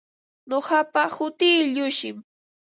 Nuqapa hutii Llushim.